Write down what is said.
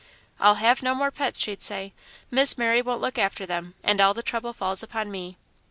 "I'll have no more pets," she'd say, "Miss Mary won't look after them, and all the trouble falls upon me.